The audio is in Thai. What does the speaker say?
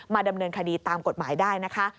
ดำเนินคดีตามกฎหมายได้นะคะ